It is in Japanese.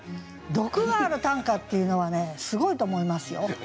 毒がある短歌っていうのはねすごいと思いますよ。